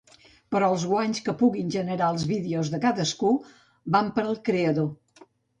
Però els guanys que puguin generar els vídeos de cadascú van per al creador.